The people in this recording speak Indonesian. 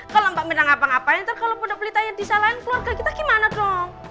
kalau mbak mirna ngapa ngapain nanti kalau pondok pelita yang disalahin keluarga kita gimana dong